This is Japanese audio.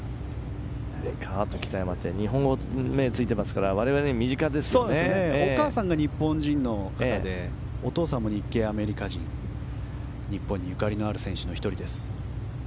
カート・キタヤマは日本語がついていますからお母さんが日本人の方でお父さんが日系アメリカ人日本にゆかりのある選手の１人です。